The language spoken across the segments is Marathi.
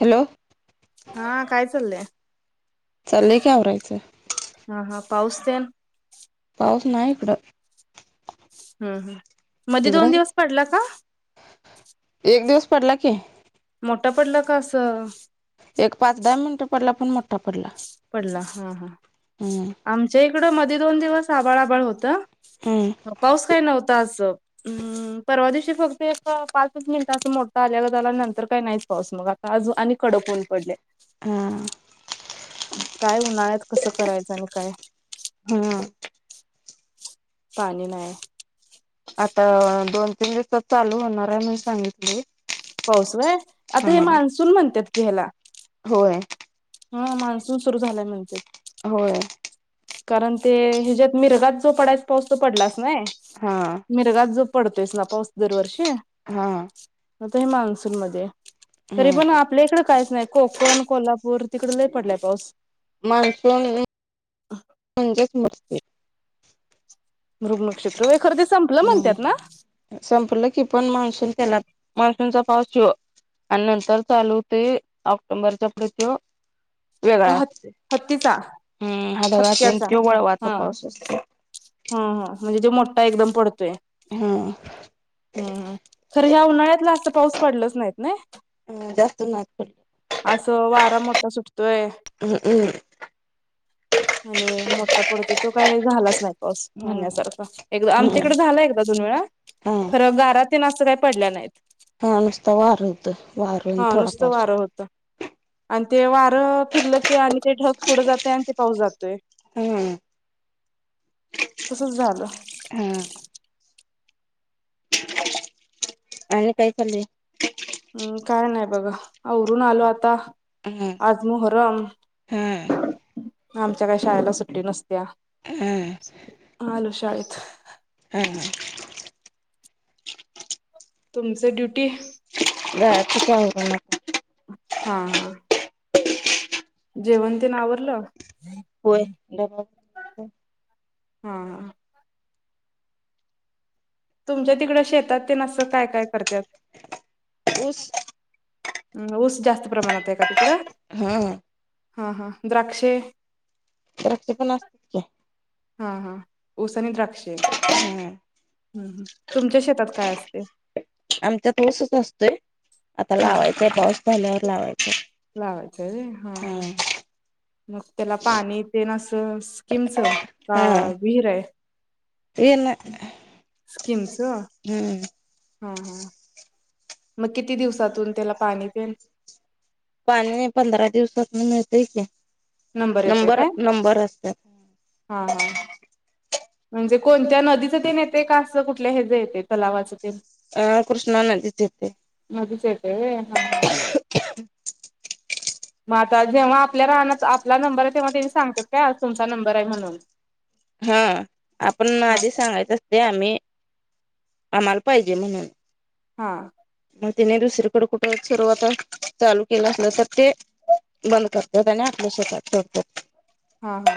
हॅलो हा काय चाललंय चाललेय का आवरायचं पावसतन स नाही इकडं हम् हम् मध्ये तिकडं दोन आहे? दिवस पडला का एक दिवस पडला की मोठं पडलं का असं एक पाच दहा मिनिटं पडला पण मोठ पडला हा हा हम्म आमच्या इकड मध दोन दिवस आबाळ आबाळ होत हम्म पाऊस काही नव्हता आ् परवा दिशी फक्त एक पाचच मिनिट असं मोठं आल्याला झाला नंतर काही नाहीच पाऊस मग आताज आणि डकून पडले हा काय उन्हाळ्यात कसं करायचं आणि काय हम्म पाणी नाहीय त चालू होणार आहे म्हण सांगितले पाऊस आहे आता हे मान्सून म्हणतात की ह्याला होय हा मान्सून सुरू झाल्या म्हणजे होय कारण ते ह्याच्यात मिरगात जो पडायस पाऊस तो पडलाच नाही हा मिरगात जो पडतोयस ना पाऊस दरवर्षी हा आता हे मान्सून मध्ये तरी पण हम्म आपल्या इकडे काहीच नाही कोकण कोल्हापूर वर तिकड लई पडलाय पाऊस मान्सून म्हणजेच मस्ते मृग नक्षत्र खरं ते संपलं हम म्हणतात ना संपलं की पण मान्सून त्यांला मान्सूनचा पाऊस शिव आणि नंतर चालूते ऑक्टोबरच्या पृत्यू तो वेगळा ह असते हत्तीचा हम्म आात हतक्याचा तेि वळवाचा हा पाऊस असतो हा हा म्हणजे तो मोठा एकदम पडतोय हा ह खर ह्या उन्हाळ्यातला असत पाऊस पडलच नाही ना जास्त नाद अस वारा मोठा सुट हम् हम् [inaudible] आणि मोठा पडतो तो काय झालाच नाही पाऊस हा म्हणण्यासारखा एकदा हम्म आमच्याकडे झाला एकदा त व हा खर गारात अस का पडल्या नाहीत हा नुसत वार होतं वार आणि हा थोडा नुसतं पाऊस वारं होता होतं आणि तेव फिरलं क आणि ते ढग पुढं जाते आणि ते पाऊस जातोय हम्म तसच झालं हा आणि काय खल हम् काय नाही बघा उरून आलो आता हा आजमोहर रम हा आमच्या काही शाळेला सुट्टी नसत्या हा हलोष आहेतच हम ह तुमच ड्युटी द ठी हा हा जेवंती ना आवरलं होय हा तुमच्या तिकडं शेतात ते नसं काय काय करतात ऊस हम ऊस जास्त प्रमाणात आहे का तिकडं हा हा हा द्राक्षे पण असतात क हा हा ऊसनी द्राक्ष हा हम् तुमच्या शेतात काय असते आमच्यात वसच असतोय आता लावायचाय पाऊस झाल्यावर लावायचा लावाच रे हा हा मग त्याला पाणी ते न असं स्कीिमच का विहीर आहे ते न स्कीिमच हा हा मग किती दिवसातून त्याला पाणी पेल पाणी पंधरा दिवसात मिळतय क येतोय नंबर काय नंबर हा असत्यात हा म्हणजे कोणत्या नदीच ते नाही ते का असं कुठल्या हये नदिच हज येते तलावाच अ कृष्णा नदीच येते नदिचये ते हा हा मअ आता जेव्हा आपल्या रानात आपला नंबर आहे तेव्हा तेवी सांगतात काय तुमचा नंबर आहे म्हणून हा आपण हा आधी सांगायचं ते आम्ही. आम्हाला पाहिजे म्हणून. हा मग तिने दुसरीकठ कुठे सुरवात चालू केला असल तर ते बंद करतात आणि आप का चोतो [inaudible] हा हा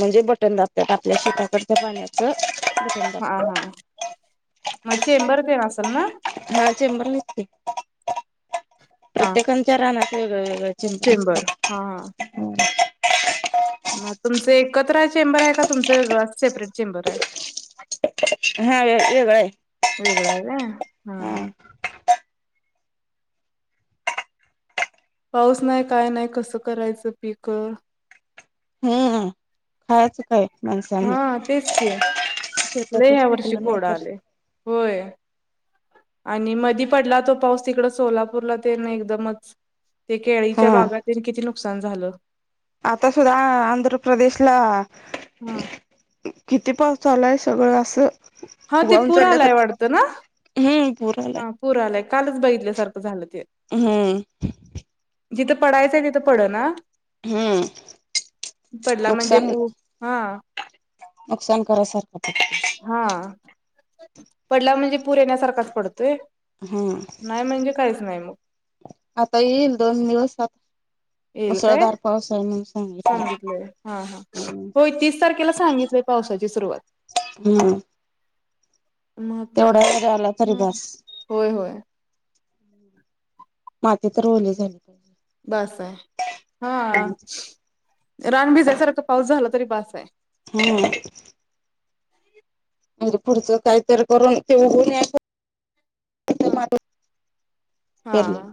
म्हणजे बटन दाबतात आपल्या शेताकडच्या पाण्याचं बटन हा दाबतात हा मग चेबरप फेव असल ना हा चेंबर निसते हा प्रत्येकाच्या राना वेगळं वेगळं चिचा चेंबर आ म तुमच एकत्र चेंबर आहे का तुमचं वगळंअस सेपरेट चेंबर आहे हा वेगळं आहे वेगळये ना हा हा पाऊस नाहीये काय नाहीये कसं करायचं पिक अ हम्म खायचं काय माणसानी हा तेच की लय शेतातच ह्या वर्षी पिकलं नाही कोड तर आले. होय आणि मधी पडला तो पाऊस तिकड सोलापूरला ते ना एकदमच ते केळीच्या हा बागातीन किती नुकसान झालं. आता सुद्धा आ आंध्र प्रदेशला हा किती पाउस चालाय सगळं असं हा ती वाहून चालल्या पुरालाय तर वाटतं ना हम्म पूर आलाय हा पुर आलाय कालच बैिघितल्यासारखं झालं ते हम्म जिथं पडायचंअ तिथं पड ना हम्म पडला म्हणजे नुकसान पू हा नुकसान करासारखं पडलं हा पडला म्हणजे पूर येण्यासारखाच पडतोय ह नाही म्हणजे काहीच नाही मग आता येईल दोन दिवसात येईल काय? मुसळधार पावस आहे ना सांगितलंय हा हा होय तीस तारखेला सांगितलंय पावसाची सुरुवात हम्म मग तेवढा आता जरी झाला तरी बास होय होय माथे तर ओले झाले बास आहे हा आ रान भिजायेसारका पाऊस झाला तरी बास आहे हु पुड पुढचं काहीतरी करून ते उगुन ययाच ते हा मातीत हा पेरलेल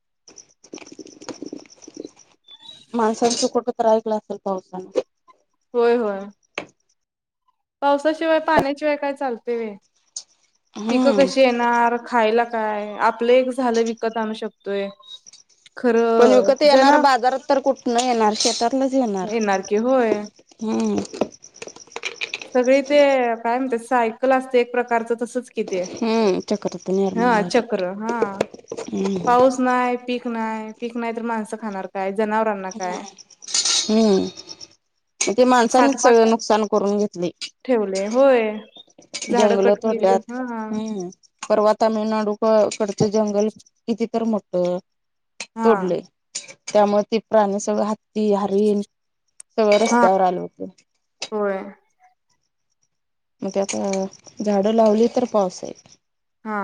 [unintelligible] माणसांचं कुठं तर ऐकलं आसल पावसान होय होय पावसाशिवाय पाण्याची वय काही चालत होय पिकं हम्म कशी येणार खायला काय आपलं एक झालं विकत आणू शकतोये पण विकत येणार बाजारात तर कुठन येणार शेतातनच येणार की होय हम्म सगळी ते काय म्हणते सायकल असते एक प्रकारचं तसच किती हम्म चक्रता निर्माण हा झाली चक्र हा हम्म पाऊस नाही पीक नाही पीक नाही तर माणसं खाणार काय जनावरांना काय? हम्म ते माणसाांनीच साठपाठ सगळ नुकसान करून घेतले ठेवले होय, झाडं जंगल कट केली तोडल्यात हा हम्म परवा तामिळनाडू कडचं जंगल कितीत मोठ हा तोडलं त्यामुळे त प्राणी सगळं हात्ती हारीन सगळं हा रस्त्यावर आल होत होय मग ते आता झाडं लावली तर पाऊस आहेल हा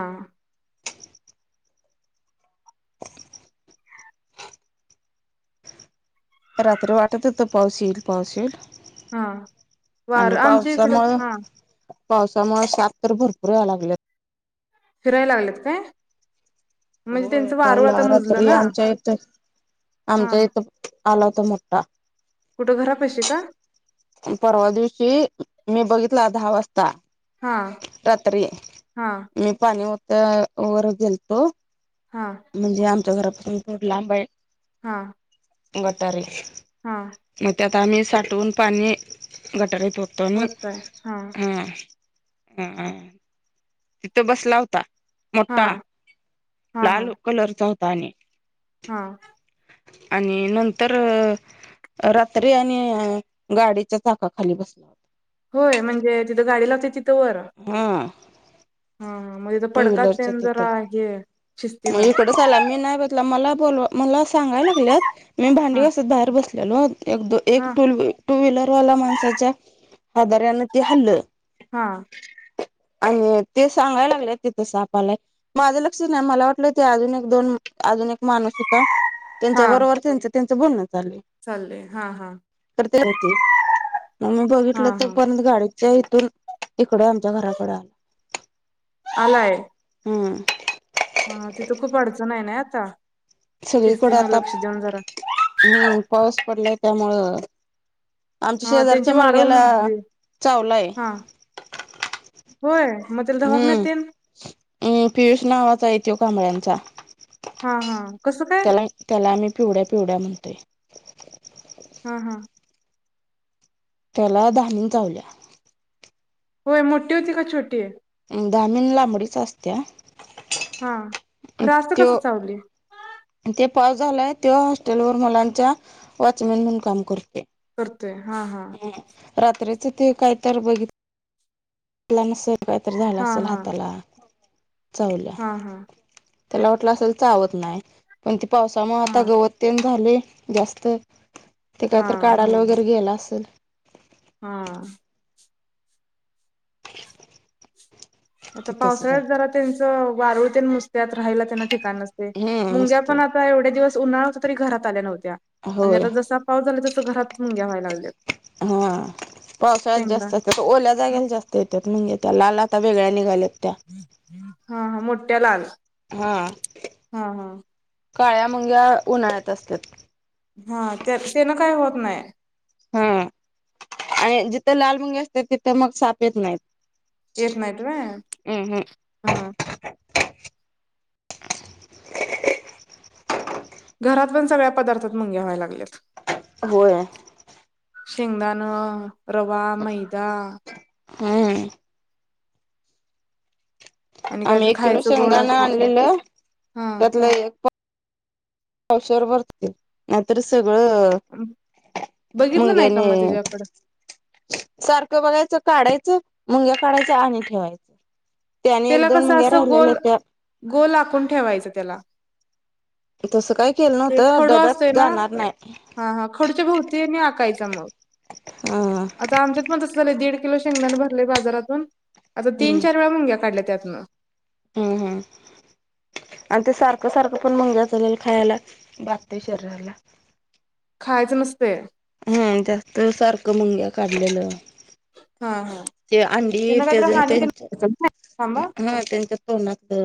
रात्री वाटत होत पाऊस येईल पाऊस येईल हा वार आणि आमच्या इकडं पावसामुळं हा पावसामुळे साप तर भरपूर याव लागले फिरायला लागलेत काय म्हणजे होय त्यांचं काल वारूळ आता मुजलं रात्री ना आमच्या इथ हा आमच्या इथ आला त मोठा कुठं घरा पशी का परवा दिवशी मी बघितला दहा वाजता हा रात्री हा मी पाणी उत वर गेलतो हा म्हणजे आमच्या घरापासून थोड लांबा आहे हा गटारे हा मग त्यात आम्ही साठवून पाणी गटार तोतून वताय हा ह ह तिथं बसला होता हा मोठा हा हा लाल कलरचा होता आणि हा आणि नंतर रात्री आणि गाडीच्या चाकाखाली बसला होता होय म्हणजे तिथं गाडी लावते तिथ हा हा हा मग थ टू व्हीलरच्या पडकन तिथं जरा आहे मग इकडच आला मी नाही बघला मला बोल मला सांगायला लागलेत मी भांडी हा बसत बाहेर बसल ल एक एक हा टू टू व्हीलरवाला माणसाच्या हादर्यान ते हल्लं हा आणि ते सांगायला लागले तेथसपाला माझं लक्षात नाही मला वाटत ते अजून एक दोन अजून एक माणूस होता हा त्यांच्या बरोबर त्यांच त्यांच बोल चाललंय हा हा तर ते हो मग मी हा बघितलं तर हा परंत गाडी च्या इथून इकडे आमच्या घराकडे आला आलाय हम्म हा तिथं खूप अडचण आहे ना आता सगळीकडे शिस्तीन आता लक्ष देऊन जरा हम पाऊस पडलाय त्यामुळं आमच्या हा त्यांची शेजारच्या वारं मुलग्याला म्हटली चावलाय होर हम्म हम् पियुष नावाचा येतो कांबळ्यांचा हा हा कसं काय त्याला त्याला आमही पिवड्या पिवड्या म्हणतोय हा हा त्याला धामिन चावल्या होय मोठी होती का छोटी आहे दामिन लांबडीच असत्या हा खरं असं कसं तो चावली ते पाव झालाय त्या हॉस्टेल वर मुलांचा वॉचमॅन म्हणून काम करते ते हा हा रात्रीचं ते काय तर बघित आपला नसल काहीतरी झालं हा असेल हा हाताला चावल्या हा हा त्याला वाटलं असेल चावत नाही पण ती पावसामुळे आता हा गवततेन झाली जास्त ते काय तर हा काढायला वगैरे गेला असेल हा आता ते तसं पावसाळ्यात झालं जरा त्यांच वारूळ त्यां नुसत्यात राहायला त्यांना ठिक हम्म मुंग्या नसते पण आता एवढ्या दिवस उन्हाळा होत तरी घरात आल्या नव्ह्या आणि होय आता जसा पाऊस झाला तस घरात मुंग्या व्हायला लागल्यात हा पावसाळ्यात शेंगदाण जास्त असत तर ओल्या हा जागेला जास्त येतात म्हणजे त्या लाला आता वेळ्या निघालेत हा हा मोठ्या लाल हा हा हा काळ्या मंग्या उन्हाळ्यात असतात हा तेनं काही होत नाही हा आणि जिथं लाल मुंगे असते तिथं मग साप येत नाहीत येेत नाईट रे हम्म हम्म हा घरात पण सगळ्या पदार्थात मुंगे व्हाय्या लागल्यात होय शेंगदाण रवा मैदा हम् आणि आम्ही काहीतरी एक किलो खायचं गोड शेवदाणा असलं की आणलेलं हा त्यातलं एक शर भरते नाहीतर सगळं बघितलं नाही का मंग्याने मग तुझ्याकडं सारखं बघायचं काढायचं मुंग्या काढायच आणि ठेवायचं त्याने एक त्याला दोन कस मुंग्या असं गोल राहिलेल्या त्या गोल आखून ठेवायचं त्याला तसं काय केलं ते नव्हतं खडू डब्यात असतेय ना जाणार नाही हा हा खडूच्या भोवती आकायची हा आता आमच्यात पण तसं झालंय दीड किलो शेंगदाण भरले बाजारातून आता तीन चार वेळा मुंग्या काढल्या त्यातन. हम् हम् आणि ते सारखं सारखं पण मुंग्या चालेल खायला बगते शरीराला खायच नसते. हम् जास्त सारखं मुंग्या काढलेलं. [inaudible] हा हा ते अंडी त्यांना त्या काहीत हानी त्यांच्या तेां म [unintelligible] हा त्यांच्या तोंडातलं